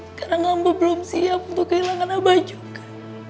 sekarang amba belum siap untuk kehilangan aba juga